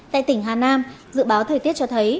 tại tỉnh hà nam dự báo thời tiết cho thấy